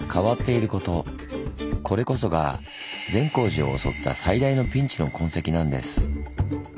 これこそが善光寺を襲った最大のピンチの痕跡なんです。